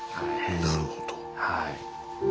なるほど。